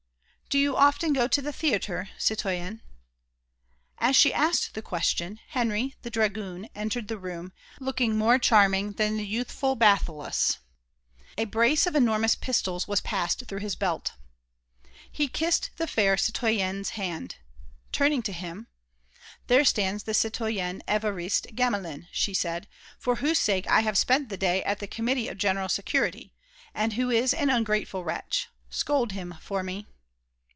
"Do you often go to the theatre, citoyen?" As she asked the question, Henry, the dragoon, entered the room, looking more charming than the youthful Bathyllus. A brace of enormous pistols was passed through his belt. He kissed the fair citoyenne's hand. Turning to him: "There stands the citoyen Évariste Gamelin," she said, "for whose sake I have spent the day at the Committee of General Security, and who is an ungrateful wretch. Scold him for me."